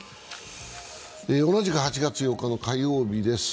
同じく８月８日の火曜日です。